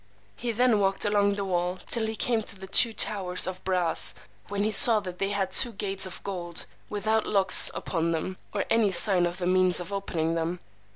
He then walked along the wall till he came to the two towers of brass, when he saw that they had two gates of gold, without locks upon them, or any sign of the means of opening them.